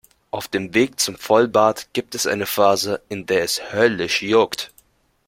Auf dem Weg zum Vollbart gibt es eine Phase, in der es höllisch juckt.